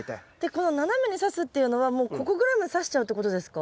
この斜めにさすっていうのはもうここぐらいまでさしちゃうってことですか？